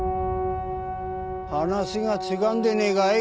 話が違うんでねえかい？